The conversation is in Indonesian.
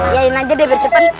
yayain aja deh lebih cepet